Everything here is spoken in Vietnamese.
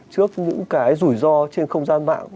trước những cái rủi ro trên không gian mạng